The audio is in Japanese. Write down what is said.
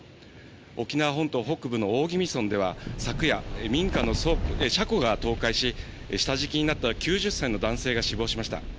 沖縄本島北部の大宜味村では、昨夜、民家の車庫が倒壊し、下敷きになった９０歳の男性が死亡しました。